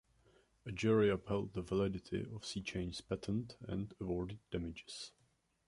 A jury upheld the validity of SeaChange's patent and awarded damages.